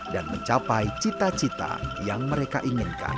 dan mencapai cita cita yang mereka inginkan